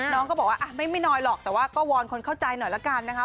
น้องก็บอกว่าไม่น้อยหรอกแต่ว่าก็วอนคนเข้าใจหน่อยละกันนะคะ